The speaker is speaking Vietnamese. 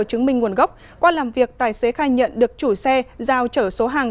chứng minh nguồn gốc qua làm việc tài xế khai nhận được chủ xe giao chở số hàng